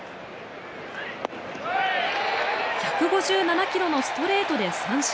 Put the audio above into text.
１５７ｋｍのストレートで三振。